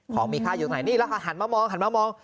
ของมีค่าอยู่ไหนนี่แล้วค่ะหันมามองหันมามอง